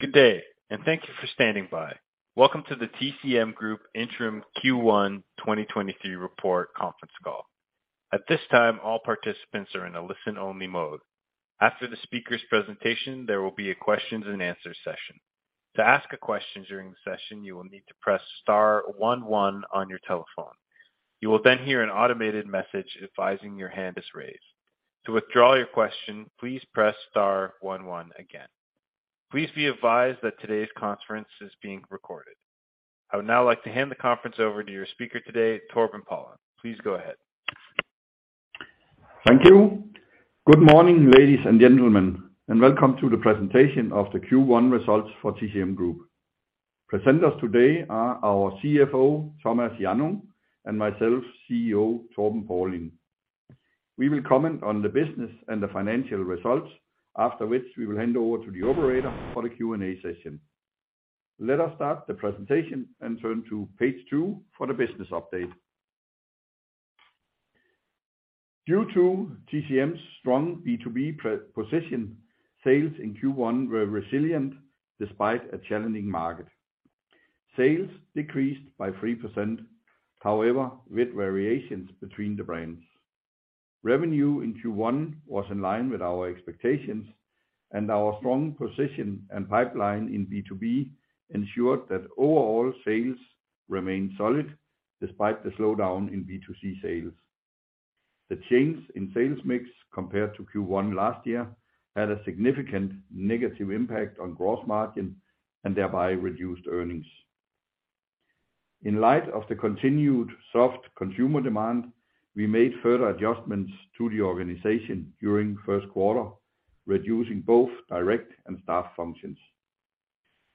Good day, and thank you for standing by. Welcome to the TCM Group Interim Q1 2023 report conference call. At this time, all participants are in a listen-only mode. After the speaker's presentation, there will be a questions and answer session. To ask a question during the session, you will need to press star one one on your telephone. You will then hear an automated message advising your hand is raised. To withdraw your question, please press star one one again. Please be advised that today's conference is being recorded. I would now like to hand the conference over to your speaker today, Torben Paulin. Please go ahead. Thank you. Good morning, ladies and gentlemen, and welcome to the presentation of the Q1 results for TCM Group. Presenters today are our CFO, Thomas Hjannung, and myself, CEO, Torben Paulin. We will comment on the business and the financial results, after which we will hand over to the operator for the Q&A session. Let us start the presentation and turn to page two for the business update. Due to TCM's strong B2B pre-position, sales in Q1 were resilient despite a challenging market. Sales decreased by 3%, however, with variations between the brands. Revenue in Q1 was in line with our expectations, and our strong position and pipeline in B2B ensured that overall sales remained solid despite the slowdown in B2C sales. The change in sales mix compared to Q1 last year had a significant negative impact on gross margin and thereby reduced earnings. In light of the continued soft consumer demand, we made further adjustments to the organization during first quarter, reducing both direct and staff functions.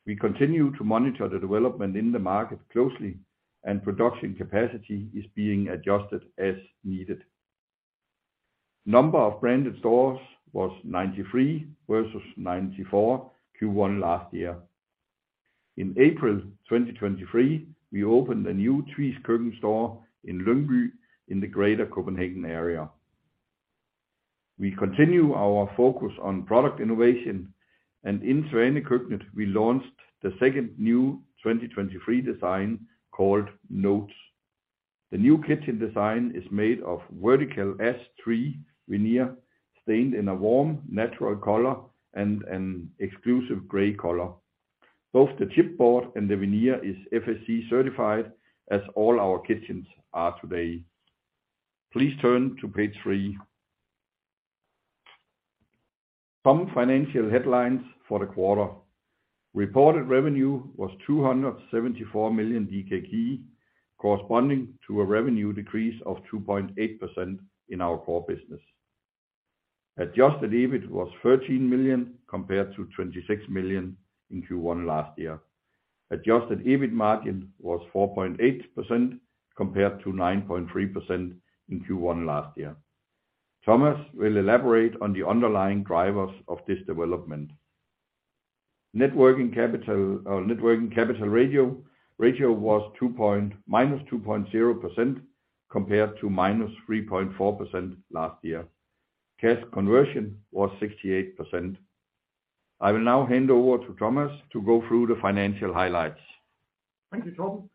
We continue to monitor the development in the market closely, and production capacity is being adjusted as needed. Number of branded stores was 93 versus 94 Q1 last year. In April 2023, we opened a new Tvis Køkken store in Lyngby in the greater Copenhagen area. We continue our focus on product innovation, and in Svane Køkkenet, we launched the second new 2023 design called NOTES. The new kitchen design is made of vertical ash tree veneer, stained in a warm, natural color and an exclusive gray color. Both the chipboard and the veneer is FSC certified, as all our kitchens are today. Please turn to page three. Some financial headlines for the quarter. Reported revenue was 274 million, corresponding to a revenue decrease of 2.8% in our core business. Adjusted EBIT was 13 million compared to 26 million in Q1 last year. Adjusted EBIT margin was 4.8% compared to 9.3% in Q1 last year. Thomas will elaborate on the underlying drivers of this development. Net working capital ratio was -2.0% compared to -3.4% last year. Cash conversion was 68%. I will now hand over to Thomas to go through the financial highlights. Thank you, Torben.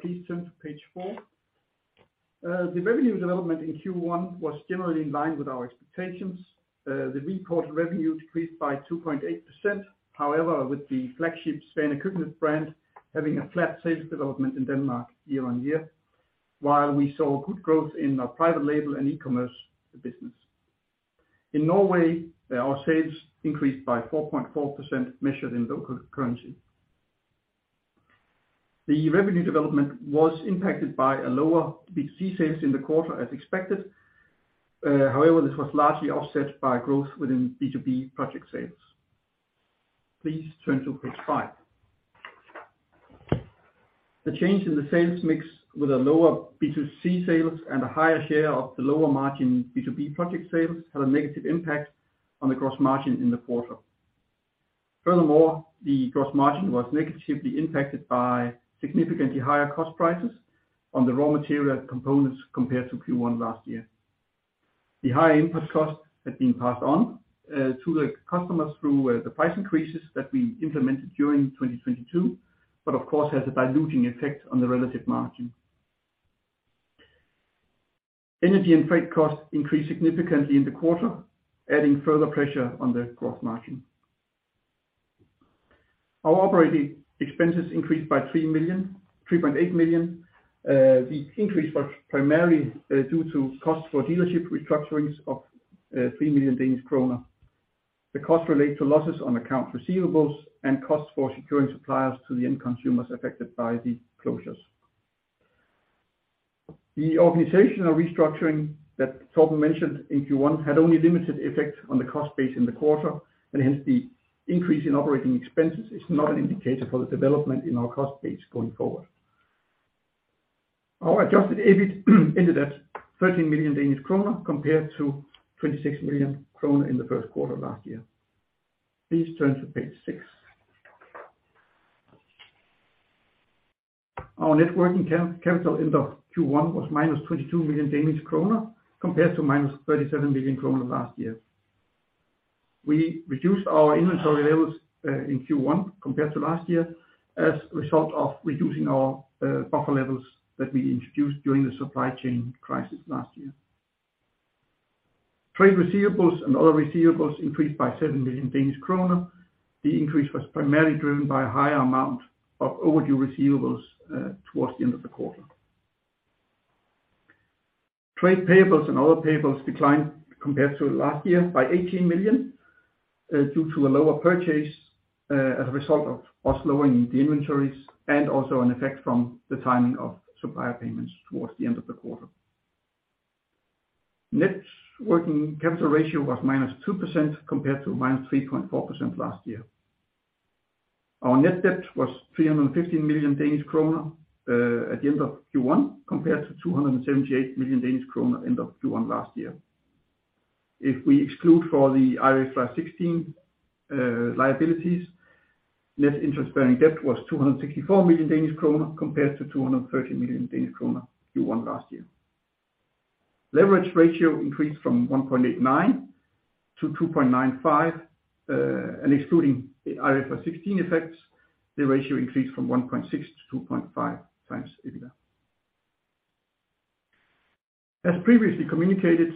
Please turn to page four. The revenue development in Q1 was generally in line with our expectations. The reported revenue decreased by 2.8%. With the flagship Svane Køkkenet brand having a flat sales development in Denmark year-on-year, while we saw good growth in our private label and e-commerce business. In Norway, our sales increased by 4.4% measured in local currency. The revenue development was impacted by a lower B2C sales in the quarter as expected. This was largely offset by growth within B2B project sales. Please turn to page five. The change in the sales mix with a lower B2C sales and a higher share of the lower margin B2B project sales had a negative impact on the gross margin in the quarter. Furthermore, the gross margin was negatively impacted by significantly higher cost prices on the raw material components compared to Q1 last year. The higher input costs had been passed on to the customers through the price increases that we implemented during 2022, but of course has a diluting effect on the relative margin. Energy and freight costs increased significantly in the quarter, adding further pressure on the gross margin. Our operating expenses increased by 3.8 million. The increase was primarily due to costs for dealership restructurings of 3 million Danish kroner. The costs relate to losses on account receivables and costs for securing suppliers to the end consumers affected by the closures. The organizational restructuring that Torben mentioned in Q1 had only limited effect on the cost base in the quarter, and hence, the increase in operating expenses is not an indicator for the development in our cost base going forward. Our adjusted EBIT ended at 13 million Danish kroner compared to 26 million kroner in the first quarter of last year. Please turn to page six. Our net working capital in the Q1 was minus 22 million Danish kroner compared to minus 37 million kroner last year. We reduced our inventory levels in Q1 compared to last year as a result of reducing our buffer levels that we introduced during the supply chain crisis last year. Trade receivables and other receivables increased by 7 million Danish kroner. The increase was primarily driven by a higher amount of overdue receivables towards the end of the quarter. Trade payables and other payables declined compared to last year by 18 million, due to a lower purchase, as a result of us lowering the inventories and also an effect from the timing of supplier payments towards the end of the quarter. Net working capital ratio was -2% compared to -3.4% last year. Our net debt was 315 million Danish kroner at the end of Q1, compared to 278 million Danish kroner end of Q1 last year. If we exclude for the IFRS 16 liabilities, net interest-bearing debt was 264 million Danish kroner compared to 230 million Danish kroner Q1 last year. Leverage ratio increased from 1.89 to 2.95. And excluding the IFRS 16 effects, the ratio increased from 1.6x to 2.5x EBITDA. As previously communicated,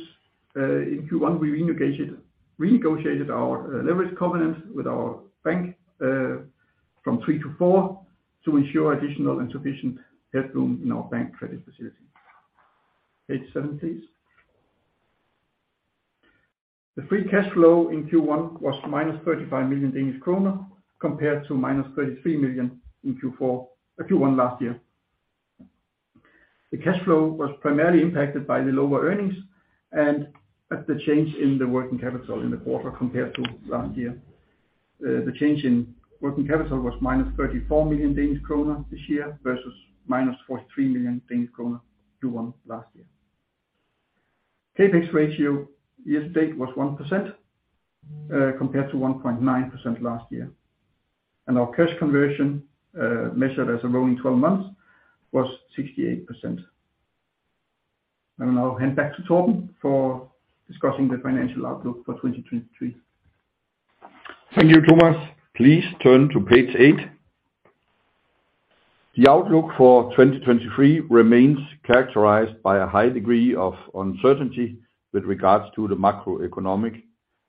in Q1, we renegotiated our leverage covenant with our bank, from three to four to ensure additional and sufficient headroom in our bank credit facility. Page seven, please. The free cash flow in Q1 was -35 million Danish kroner compared to -33 million in Q1 last year. The cash flow was primarily impacted by the lower earnings and at the change in the working capital in the quarter compared to last year. The change in working capital was -34 million Danish kroner this year versus -43 million Danish kroner Q1 last year. CapEx ratio year to date was 1%, compared to 1.9% last year, and our cash conversion, measured as a rolling 12 months was 68%. I'll hand back to Torben for discussing the financial outlook for 2023. Thank you, Thomas. Please turn to page eight. The outlook for 2023 remains characterized by a high degree of uncertainty with regards to the macroeconomic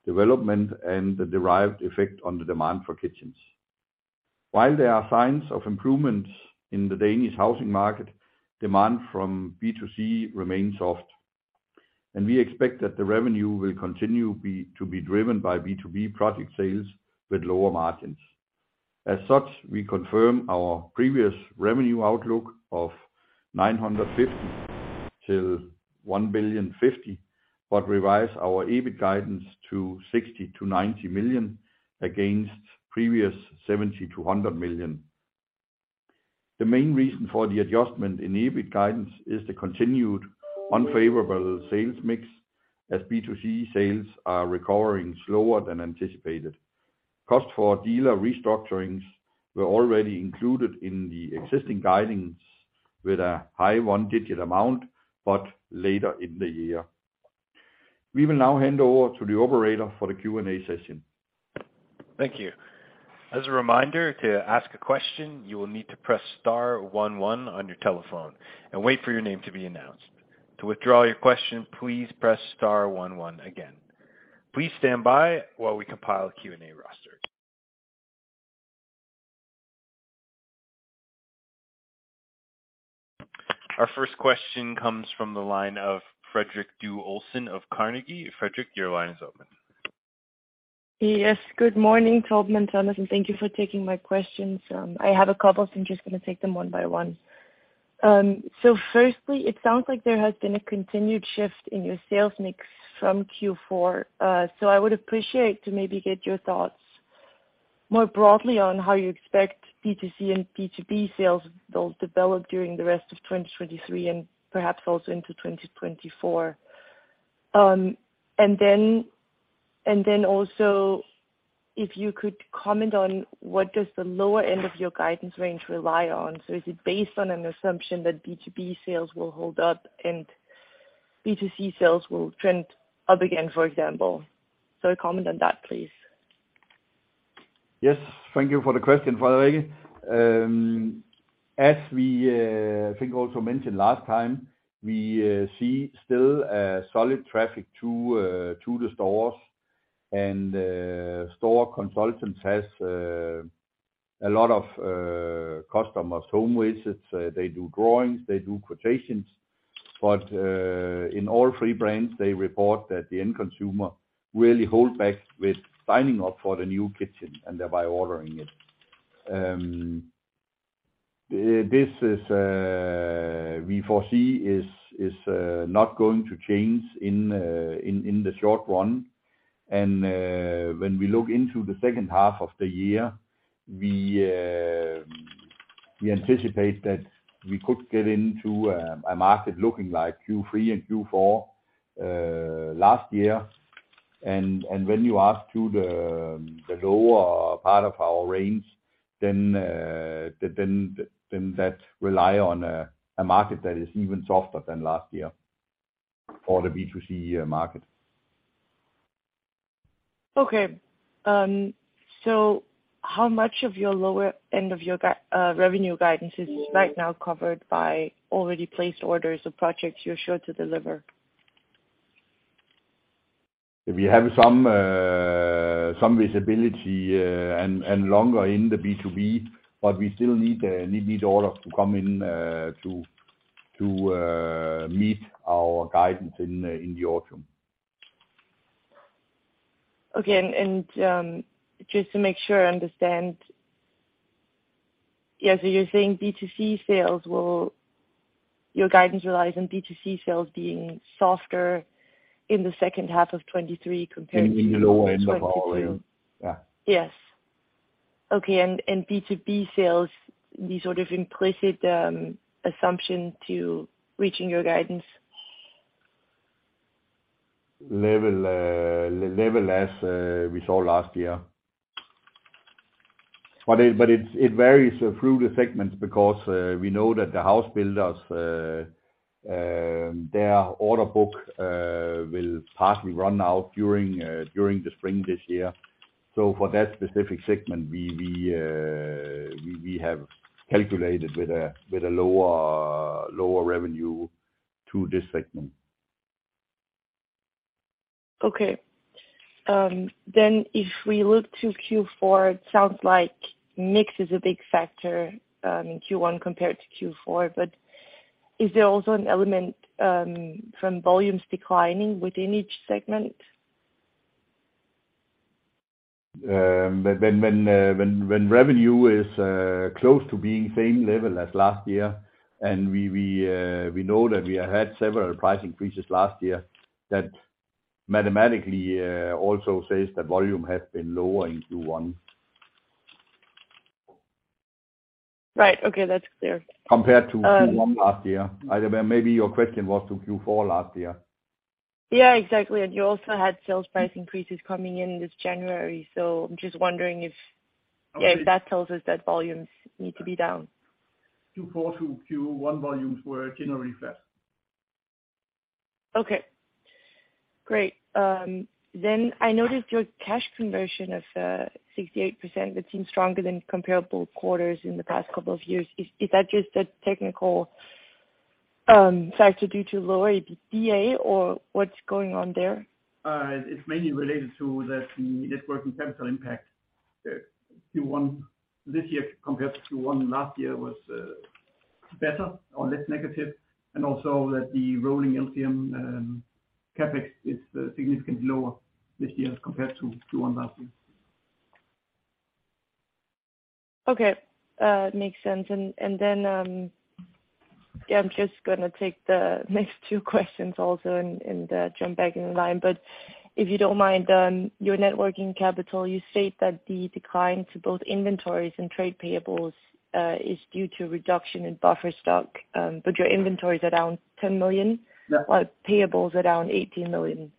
development and the derived effect on the demand for kitchens. While there are signs of improvements in the Danish housing market, demand from B2C remains soft, we expect that the revenue will continue to be driven by B2B project sales with lower margins. As such, we confirm our previous revenue outlook of 950 million-1.05 billion, revise our EBIT guidance to 60 million-90 million against previous 70 million-100 million. The main reason for the adjustment in EBIT guidance is the continued unfavorable sales mix as B2C sales are recovering slower than anticipated. Cost for dealer restructurings were already included in the existing guidance with a high one-digit amount, but later in the year. We will now hand over to the operator for the Q&A session. Thank you. As a reminder, to ask a question, you will need to press star one one on your telephone and wait for your name to be announced. To withdraw your question, please press star one one again. Please stand by while we compile a Q&A roster. Our first question comes from the line of Frederik Due Olsen of Carnegie. Frederik, your line is open. Yes, good morning, Torben and Thomas, thank you for taking my questions. I have a couple, I'm just going to take them one by one. Firstly, it sounds like there has been a continued shift in your sales mix from Q4. I would appreciate to maybe get your thoughts more broadly on how you expect B2C and B2B sales will develop during the rest of 2023 and perhaps also into 2024. Also if you could comment on what does the lower end of your guidance range rely on? Is it based on an assumption that B2B sales will hold up and B2C sales will trend up again, for example? A comment on that, please. Yes. Thank you for the question, Frederik. As we, I think also mentioned last time, we see still a solid traffic to the stores and store consultants has a lot of customers' home visits. They do drawings, they do quotations. In all three brands, they report that the end consumer really hold back with signing up for the new kitchen and thereby ordering it. This is, we foresee, is not going to change in the short run. When we look into the second half of the year, we anticipate that we could get into a market looking like Q3 and Q4 last year. When you ask to the lower part of our range, then that rely on a market that is even softer than last year for the B2C market. How much of your lower end of your revenue guidance is right now covered by already placed orders of projects you're sure to deliver? We have some visibility, and longer in the B2B, but we still need these orders to come in, to meet our guidance in the autumn. Okay. Just to make sure I understand. You're saying B2C sales will. Your guidance relies on B2C sales being softer in the second half of 2023 compared to. In the lower end of our view. the second half of 2022. Yeah. Yes. Okay. And B2B sales, the sort of implicit assumption to reaching your guidance. Level as we saw last year. It varies through the segments because we know that the house builders, their order book, will partly run out during the spring this year. For that specific segment, we have calculated with a lower revenue to this segment. Okay. If we look to Q4, it sounds like mix is a big factor in Q1 compared to Q4, is there also an element from volumes declining within each segment? When revenue is close to being same level as last year and we know that we have had several price increases last year, that mathematically also says that volume has been lower in Q1. Right. Okay. That's clear. Compared to Q1 last year. Maybe your question was to Q4 last year. Yeah, exactly. You also had sales price increases coming in this January. Okay. If that tells us that volumes need to be down. Q4 to Q1 volumes were generally flat. Okay, great. I noticed your cash conversion of 68%, that seems stronger than comparable quarters in the past couple of years. Is that just a technical factor due to lower DA or what's going on there? It's mainly related to that the net working capital impact Q1 this year compared to Q1 last year was better or less negative, and also that the rolling LCM CapEx is significantly lower this year as compared to last year. Okay. makes sense. Then, yeah, I'm just gonna take the next two questions also and, jump back in the line. If you don't mind, your net working capital, you state that the decline to both inventories and trade payables, is due to reduction in buffer stock. Your inventories are down 10 million-. Yeah. while payables are down 18 million.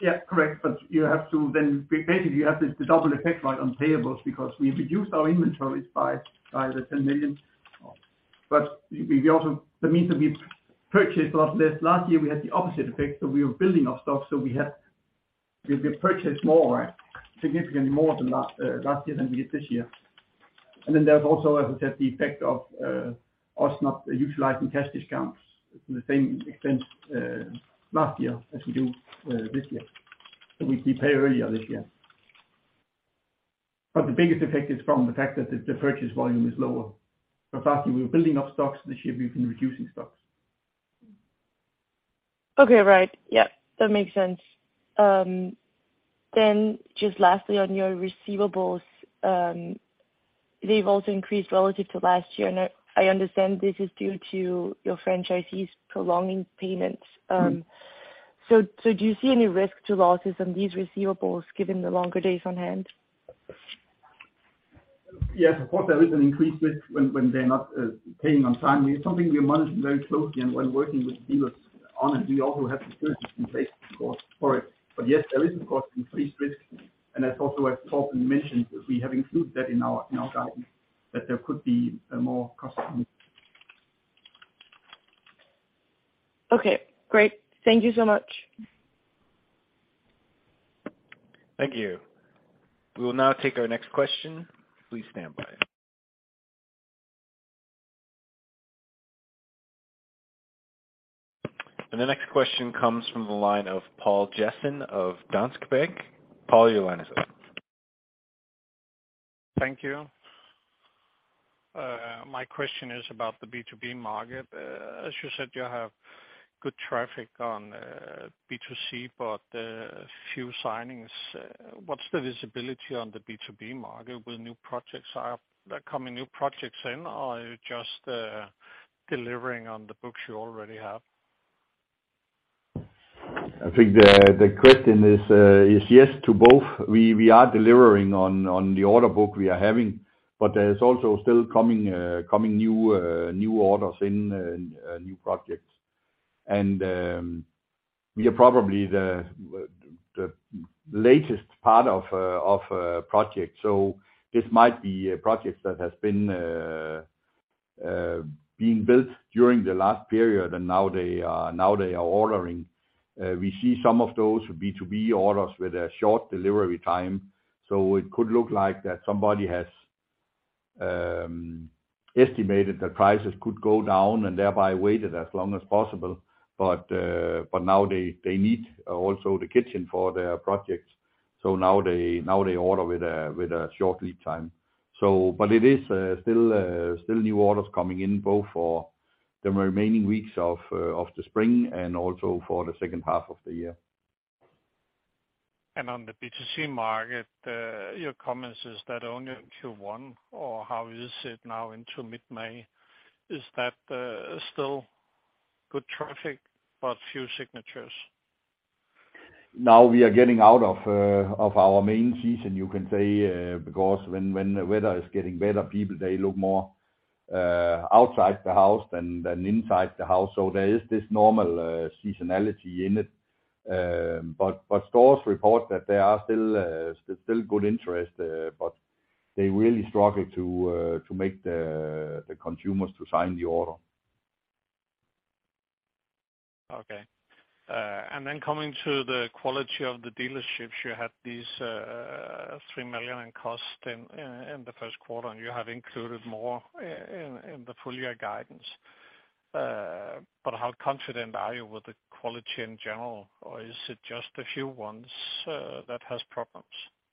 Yeah, correct. You have to then basically, you have the double effect, right, on payables because we reduced our inventories by 10 million. We also, that means that we purchased a lot less. Last year we had the opposite effect, so we were building our stock, so we purchased more, right? Significantly more than last year than we did this year. Then there's also, as I said, the effect of us not utilizing cash discounts to the same extent last year as we do this year. We pay earlier this year. The biggest effect is from the fact that the purchase volume is lower. For last year we were building up stocks. This year we've been reducing stocks. Okay. Right. Yeah. That makes sense. Just lastly on your receivables, they've also increased relative to last year, and I understand this is due to your franchisees prolonging payments. Do you see any risk to losses on these receivables given the longer days on hand? Yeah, of course there is an increased risk when they're not paying on time. It's something we are monitoring very closely and while working with dealers on it, we also have security in place, of course, for it. Yes, there is of course increased risk, and as Torben mentioned, we have included that in our guidance, that there could be more cost involved. Okay, great. Thank you so much. Thank you. We will now take our next question. Please stand by. The next question comes from the line of Poul Jessen of Danske Bank. Poul, your line is open. Thank you. My question is about the B2B market. As you said, you have good traffic on B2C, but few signings. What's the visibility on the B2B market? Are new projects coming in or are you just delivering on the books you already have? I think the question is yes to both. We are delivering on the order book. There's also still coming new orders in new projects. We are probably the latest part of project. This might be a project that has been being built during the last period, and now they are ordering. We see some of those B2B orders with a short delivery time. It could look like that somebody has estimated the prices could go down and thereby waited as long as possible. Now they need also the kitchen for their projects. Now they order with a short lead time. It is still new orders coming in both for the remaining weeks of the spring and also for the second half of the year. On the B2C market, your comments is that only in Q1 or how is it now into mid-May? Is that still good traffic but few signatures? Now we are getting out of our main season, you can say, because when the weather is getting better, people they look more outside the house than inside the house. There is this normal seasonality in it. But stores report that there are still good interest, but they really struggle to make the consumers to sign the order. Coming to the quality of the dealerships, you had these, 3 million in cost in the first quarter, and you have included more in the full year guidance. How confident are you with the quality in general, or is it just a few ones that has problems?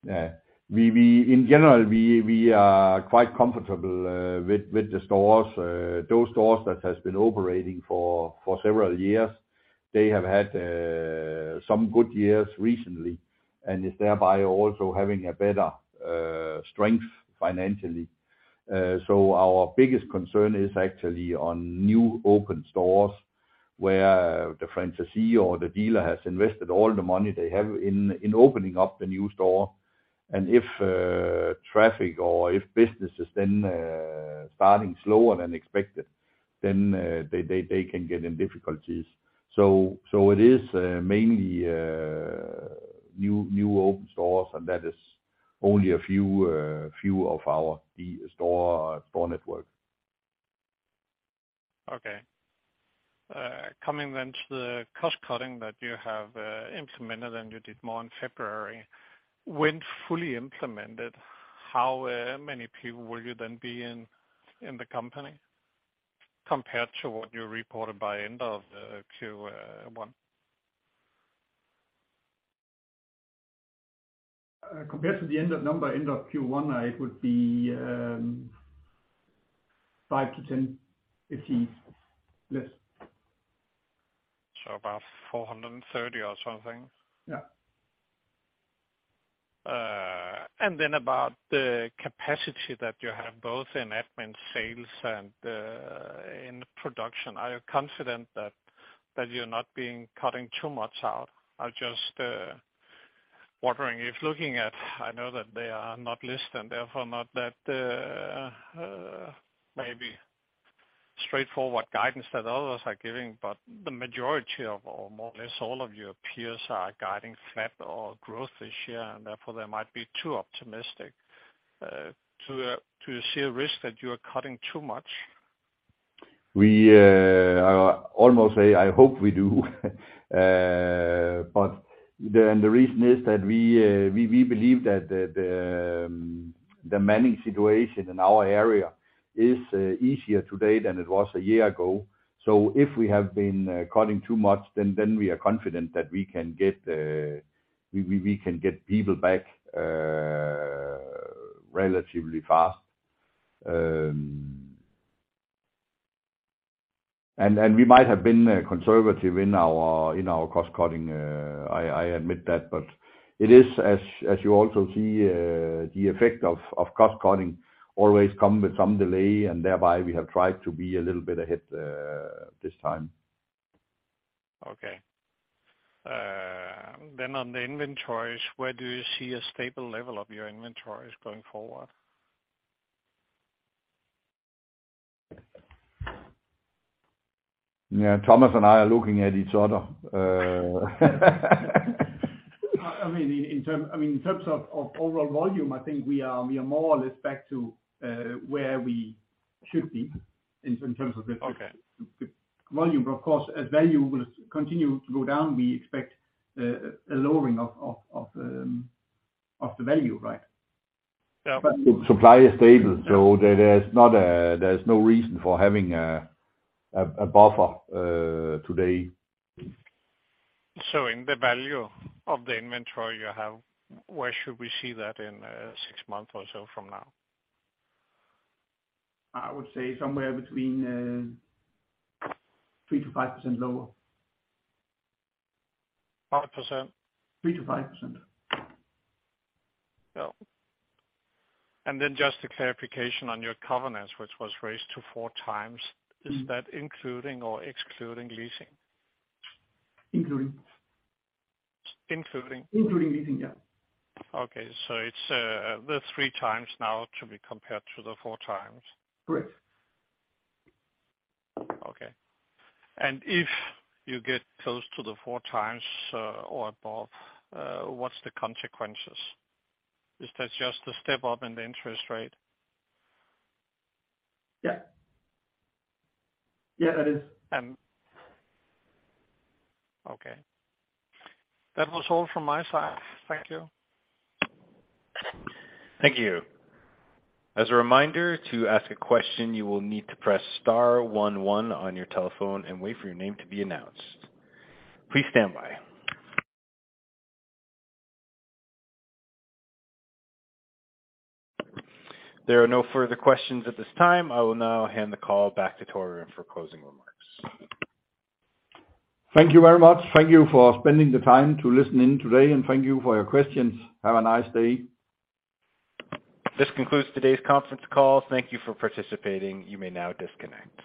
In general, we are quite comfortable with the stores. Those stores that has been operating for several years, they have had some good years recently and is thereby also having a better strength financially. Our biggest concern is actually on new open stores where the franchisee or the dealer has invested all the money they have in opening up the new store. If traffic or if business is starting slower than expected, they can get in difficulties. It is mainly new open stores, that is only a few of our store network. Okay. Coming then to the cost cutting that you have implemented, and you did more in February. When fully implemented, how many people will you then be in the company compared to what you reported by end of the Q1? Compared to the end of Q1, it would be five to 10 FTEs less. About 430 or something. Yeah. Then about the capacity that you have both in admin sales and in production. Are you confident that you're not being cutting too much out? I just wondering if looking at, I know that they are not listed and therefore not that maybe straightforward guidance that others are giving, but the majority of, or more or less all of your peers are guiding flat or growth this year, therefore they might be too optimistic. Do you see a risk that you are cutting too much? We, I almost say I hope we do. The reason is that we believe that the manning situation in our area is easier today than it was a year ago. If we have been cutting too much then we are confident that we can get people back relatively fast. And we might have been conservative in our cost cutting, I admit that, but it is as you also see, the effect of cost cutting always come with some delay, and thereby we have tried to be a little bit ahead this time. Okay. on the inventories, where do you see a stable level of your inventories going forward? Yeah. Thomas and I are looking at each other. I mean, in terms of overall volume, I think we are more or less back to where we should be in terms of volume. Of course, as value will continue to go down, we expect a lowering of the value, right? Yeah. Supply is stable. There's no reason for having a buffer today. In the value of the inventory you have, where should we see that in six months or so from now? I would say somewhere between 3%-5% lower. 5%? 3%-5%. Yeah. Just a clarification on your covenants, which was raised to 4 times. Is that including or excluding leasing? Including. Including. Including leasing, yeah. Okay. It's the 3x now to be compared to the 4x. Correct. Okay. If you get close to the 4x, or above, what's the consequences? Is that just a step up in the interest rate? Yeah, that is. Okay. That was all from my side. Thank you. Thank you. As a reminder, to ask a question, you will need to press star 11 on your telephone and wait for your name to be announced. Please stand by. There are no further questions at this time. I will now hand the call back to Torben for closing remarks. Thank you very much. Thank you for spending the time to listen in today, and thank you for your questions. Have a nice day. This concludes today's conference call. Thank Thank you for participating. You may now disconnect.